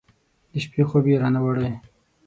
د شپې خوب یې رانه وړی